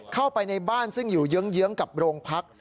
เข้าไปในบ้านซึ่งอยู่เยื้องกับโรงพัก